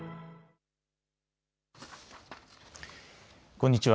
こんにちは。